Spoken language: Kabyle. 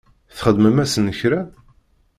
Txedmem-asen kra?